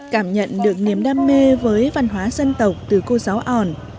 cảm nhận được niềm đam mê với văn hóa dân tộc từ cô giáo òn